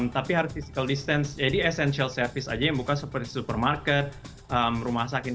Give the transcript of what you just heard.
tapi harus physical distance jadi essential service aja yang bukan seperti supermarket rumah sakit